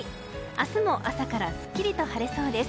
明日も朝からすっきりと晴れそうです。